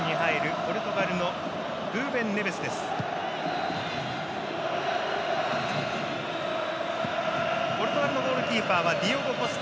ポルトガルのゴールキーパーはディオゴ・コスタ。